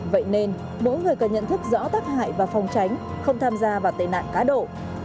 vậy nên mỗi người cần nhận thức rõ tác hại và phòng tránh không tham gia vào tệ nạn cá độ